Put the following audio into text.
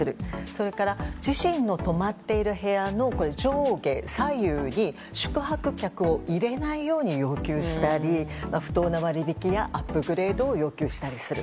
それから自身の泊まっている部屋の上下左右に宿泊客を入れないように要求したり、不当な割引やアップグレードを要求したりする。